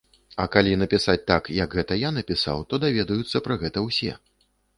А калі напісаць так, як гэта я напісаў, то даведаюцца пра гэта ўсе.